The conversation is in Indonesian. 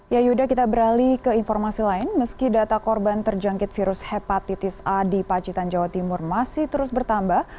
ya yuda kita beralih ke informasi lain meski data korban terjangkit virus hepatitis a di pacitan jawa timur masih terus bertambah